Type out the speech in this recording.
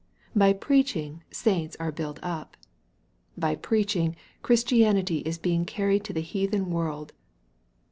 By preaching, saints are built up. By preaching, Christianity is being carried to the heathen world.